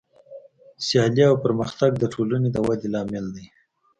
سیالي او پرمختګ د ټولنې د ودې لامل دی.